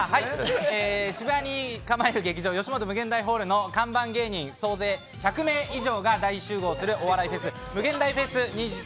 渋谷に構える劇場ヨシモト∞ホールの看板芸人総勢１００名以上が大集合するお笑いフェスムゲンダイフェス